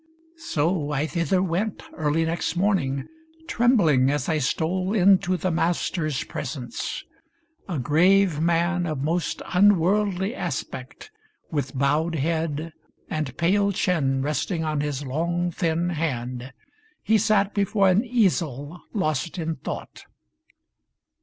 So I thither went Early next morning, trembUng as I stole Into the master's presence. A grave man Of most unworldly aspect, with bowed head And pale chin resting on his long, thin hand. He sat before an easel, lost in thought.